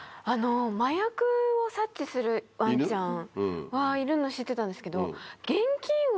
麻薬を察知するワンちゃんはいるの知ってたんですけど。